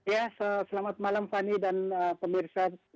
ya selamat malam fani dan pemirsa